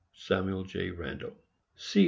SAMUEL J. RANDELL. _Sept.